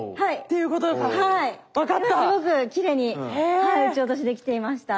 今すごくきれいに打ち落としできていました。